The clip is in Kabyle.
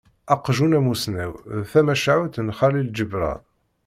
"Aqjun amusnaw", d tamacahut n Xalil Ǧebran.